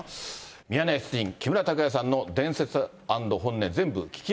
ミヤネ屋出陣、木村拓哉さんの伝説＆本音、全部聞きま